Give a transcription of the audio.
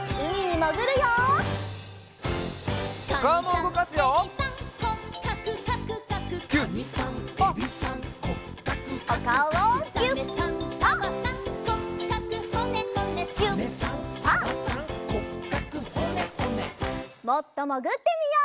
もっともぐってみよう。